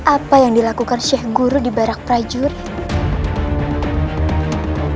apa yang dilakukan sheikh guru di barak prajurit